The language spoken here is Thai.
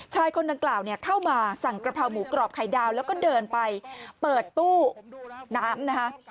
คนดังกล่าวเนี่ยเข้ามาสั่งกระเพราหมูกรอบไข่ดาวแล้วก็เดินไปเปิดตู้น้ำนะคะ